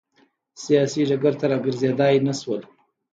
سیاسي ډګر ته راګرځېدای نه شول.